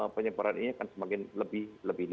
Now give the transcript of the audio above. penyebaran ini akan semakin lebih